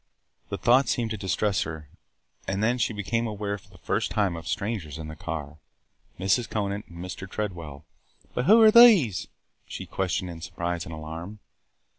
The thought seemed to distress her. And then she became aware for the first time of strangers in the car, Mrs. Conant and Mr. Tredwell. "But who are these?" she questioned in surprise and alarm.